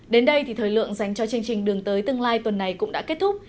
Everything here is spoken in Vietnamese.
đến đây thì thời lượng dành cho chương trình đường tới tương lai tuần này cũng đã kết thúc